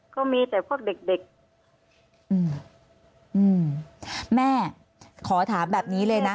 ก็มีแต่พวกเด็กเด็กอืมอืมแม่ขอถามแบบนี้เลยนะ